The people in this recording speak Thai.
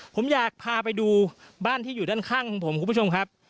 ผมอยากพาไปดูบ้านที่อยู่ด้านข้างของผมคุณผู้ชมครับ